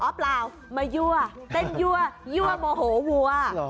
เปล่ามายั่วเต้นยั่วยั่วโมโหวัว